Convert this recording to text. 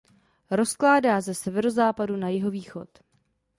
Rozkládá ze severozápadu na jihovýchod.